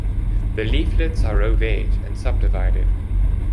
The leaflets are ovate and subdivided.